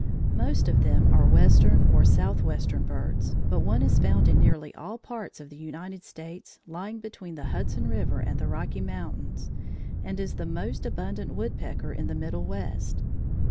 Most of them are Western or Southwestern birds, but one is found in nearly all parts of the United States lying between the Hudson River and the Rocky Mountains, and is the most abundant woodpecker of the middle West.